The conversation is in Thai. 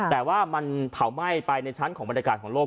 แต่ว่ามันเผาไหม้ไปในชั้นของบรรยากาศของโลก